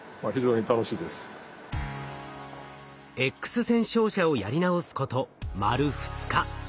Ｘ線照射をやり直すこと丸二日。